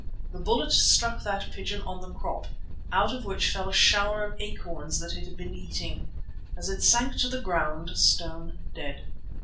The bullet struck that pigeon on the crop, out of which fell a shower of acorns that it had been eating, as it sank to the ground stone dead.